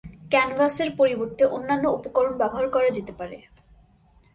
ক্যানভাসের পরিবর্তে অন্যান্য উপকরণ ব্যবহার করা যেতে পারে।